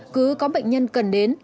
cứ có bệnh nhân cần đến